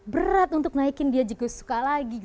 berat untuk naikin dia juga suka lagi